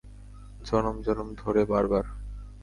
জনম জনম ধরে, বারবার!